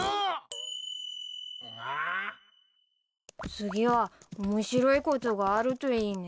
次は面白いことがあるといいね。